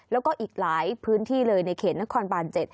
แล้วก็อีกหลายพื้นที่เลยในเขตนครบาน๗